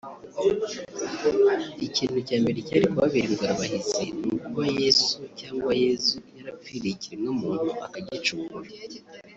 Ikintu cya mbere cyari kubabera ingorabahizi ni ukuba Yesu/Yezu yarapfiriye ikiremwa muntu akagicungura